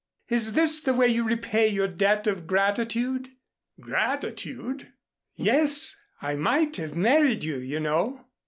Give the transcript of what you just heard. Is this the way you repay your debt of gratitude?" "Gratitude!" "Yes, I might have married you, you know."